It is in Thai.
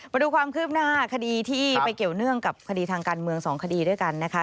มาดูความคืบหน้าคดีที่ไปเกี่ยวเนื่องกับคดีทางการเมือง๒คดีด้วยกันนะคะ